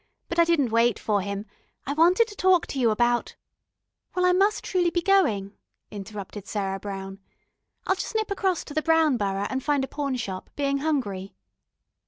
But I didn't wait for him. I wanted to talk to you about " "Well, I must truly be going," interrupted Sarah Brown. "I'll just nip across to the Brown Borough and find a pawn shop, being hungry."